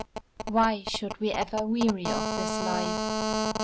Why should we ever weary of this life?